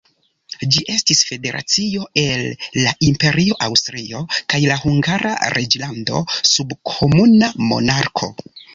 Ĝi estis federacio el la imperio Aŭstrio kaj la Hungara reĝlando sub komuna monarko.